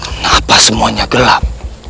kenapa semuanya gelap